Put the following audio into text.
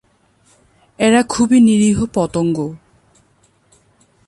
এরা খুবই নিরীহ পতঙ্গ।